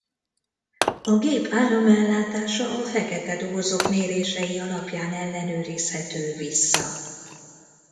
A gép áramellátása a fekete dobozok mérései alapján ellenőrizhető vissza.